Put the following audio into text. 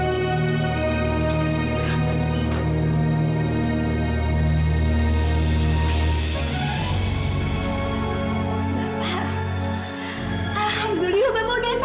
alhamdulillah bapak sudah sedih bapak